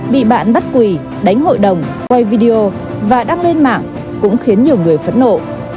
bị bạn bắt quỳ đánh hội đồng quay video và đăng lên mạng cũng khiến nhiều người phẫn nộ